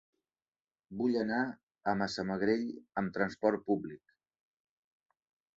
Vull anar a Massamagrell amb transport públic.